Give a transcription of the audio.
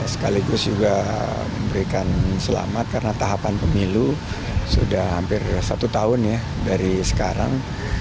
sekaligus juga memberikan selamat karena tahapan pemilu sudah hampir satu tahun ya dari sekarang